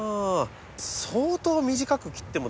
相当短く切っても大丈夫です。